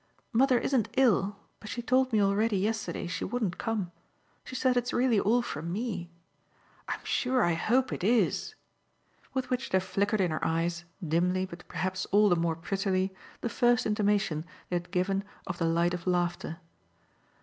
"Mother isn't ill, but she told me already yesterday she wouldn't come. She said it's really all for ME. I'm sure I hope it is!" with which there flickered in her eyes, dimly but perhaps all the more prettily, the first intimation they had given of the light of laughter.